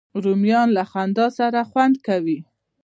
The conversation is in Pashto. رومیان له خندا سره خوند کوي